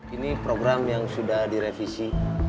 ini program yang sudah direvisi